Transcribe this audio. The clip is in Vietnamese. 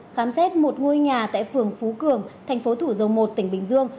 khám xét một ngôi nhà tại phường phú cường thành phố thủ dầu một tỉnh bình dương